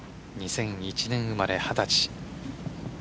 ２００１年生まれ、二十歳。